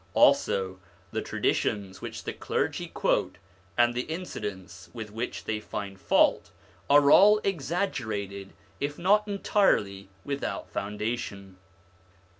Also the traditions which the clergy quote, and the incidents with which they find fault, are all exaggerated if not entirely without foundation.